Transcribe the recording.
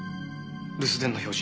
留守電の表示